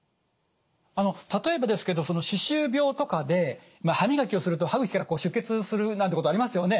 例えばですけど歯周病とかで歯磨きをすると歯茎から出血するなんてことありますよね？